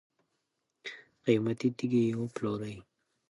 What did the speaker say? قیمتي تیږي یې وپلورلې.